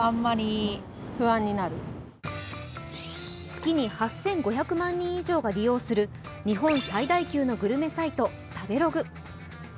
月に８５００万人以上が利用する日本最大級のグルメサイト、食べログ。